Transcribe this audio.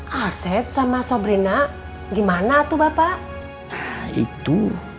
hai aset sama sobri na gimana tuh bapak itu